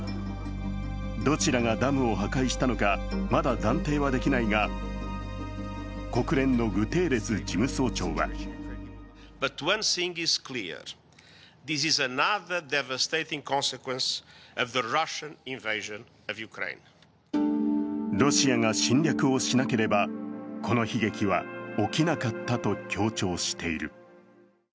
どちらがダムを破壊したのかまだ断定はできないが国連のグテーレス事務総長はロシアが侵略をしなければこの悲劇は起きなかったと強調している。